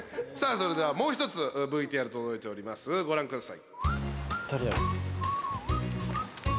それではもう一つＶＴＲ届いておりますご覧ください